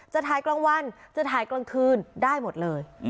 จะถ่ายกลางวันจะถ่ายกลางคืนได้หมดเลย